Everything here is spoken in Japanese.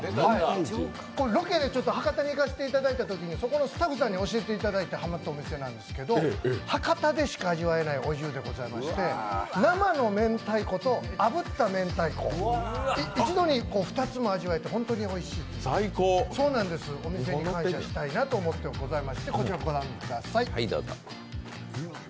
これ、ロケで博多に行かせていただいたときに、そこのスタッフさんに教えていただいてハマったお店なんですけど、博多でしか味わえないお重でございまして生のめんたいことあぶっためんたいこ一度に２つ味わえて本当においしいお店に感謝したいなと思ってございまして、こちらご覧ください。